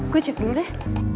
gue cek dulu deh